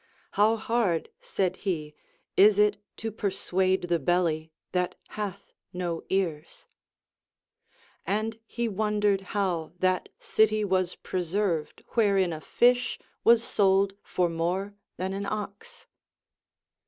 How hard, said he, is it to persuade the belly, that hath no ears '? And he wondered how that city was preserved Avherein a fish was sold for more than an ox